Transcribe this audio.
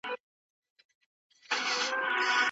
مسلکي سوالګر مه تشویق کوئ.